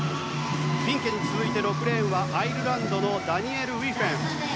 フィンケに続いて６レーンはアイルランドのダニエル・ウィフェン。